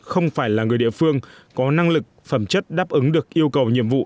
không phải là người địa phương có năng lực phẩm chất đáp ứng được yêu cầu nhiệm vụ